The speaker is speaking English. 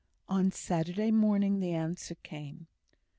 On Saturday morning the answer came.